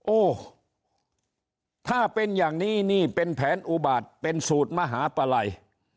โอ้ถ้าเป็นอย่างนี้นี่เป็นแผนอุบาทเป็นสูตรมหาปลัย